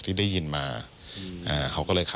นี่ค่ะคุณผู้ชมพอเราคุยกับเพื่อนบ้านเสร็จแล้วนะน้า